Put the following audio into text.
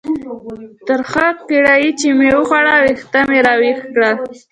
ترخه کړایي چې مې وخوړه، وینه مې را ویښه کړه.